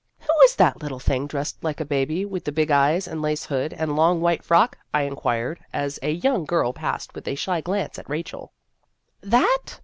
" Who is that little thing dressed like a baby, with the big eyes and lace hood and long white frock ?" I inquired as a young girl passed with a shy glance at Rachel. "That?